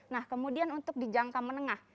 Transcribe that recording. nah kemudian untuk di jangka menengah